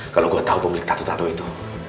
kalau gua tahu pemilik tatu tatu itu